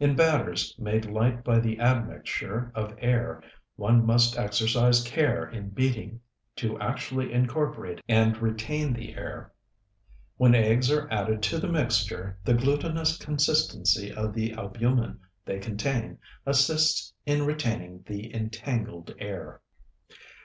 In batters made light by the admixture of air, one must exercise care in beating to actually incorporate and retain the air. When eggs are added to the mixture, the glutinous consistency of the albumin they contain assists in retaining the entangled air.